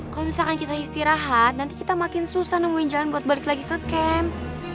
kalau misalkan kita istirahat nanti kita makin susah nemuin jalan buat balik lagi ke camp